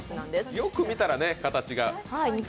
よく見たら形が。